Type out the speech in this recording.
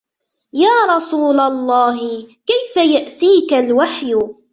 يَا رَسُولَ اللَّهِ، كَيْفَ يَأْتِيكَ الْوَحْيُ ؟